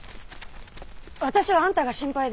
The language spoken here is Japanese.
私はあんたが心配で。